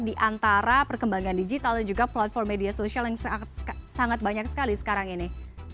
di antara perkembangan digital dan juga platform media sosial yang sangat banyak sekali sekarang ini